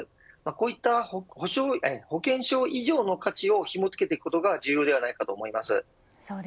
こういった保険証以上の価値をひも付けてことが重要ではないかと思います。